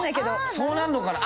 そうなんのかな？